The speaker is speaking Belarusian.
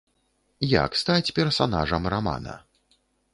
Як стаць персанажам рамана?